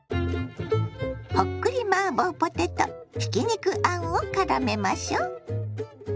ほっくりマーボーポテトひき肉あんをからめましょ。